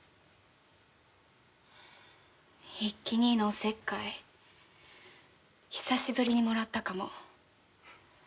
一輝兄のおせっかい久しぶりにもらったかも。